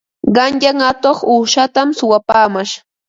Qanyan atuq uushatam suwapaamash.